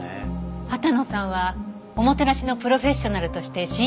羽田野さんはおもてなしのプロフェッショナルとして信念を持っている。